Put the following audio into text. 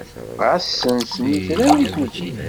Ɣas ssensen itran deg tudrin.